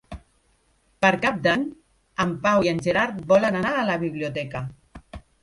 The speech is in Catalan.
Per Cap d'Any en Pau i en Gerard volen anar a la biblioteca.